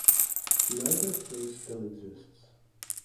Neither place still exists.